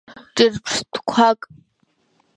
Ҿырԥштәқәак.